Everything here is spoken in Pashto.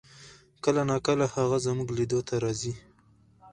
کله نا کله هغه زمونږ لیدو ته راځي